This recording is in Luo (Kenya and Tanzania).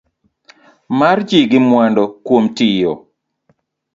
Mar ji gi mwandu kuom tiyo